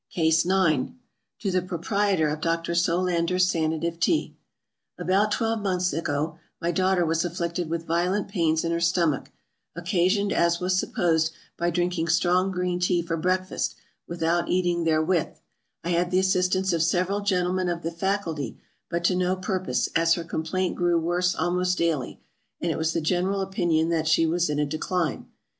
CASE IX. To the Proprietor of Dr. Solander's SANATIVE TEA. ABOUT twelve months ago, my daughter was afflicted with violent pains in her stomach, occasioned as was supposed, by drinking strong green tea for breakfast, without eating therewith I had the assistance of several gentlemen of the faculty, but to no purpose; as her complaint grew worse almost daily; and it was the general opinion that she was in a decline.